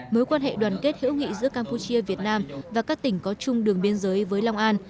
mối quan hệ đoàn kết hữu nghị giữa campuchia việt nam và các tỉnh có chung đường biên giới với long an